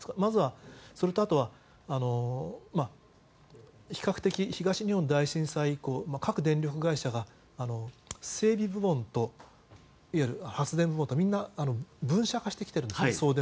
それと、比較的東日本大震災以降各電力会社が、整備部門といわゆる発電部門と分社化してきてるんです。